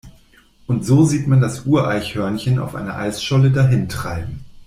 Und so sieht man das Ureichhörnchen auf einer Eisscholle dahintreiben.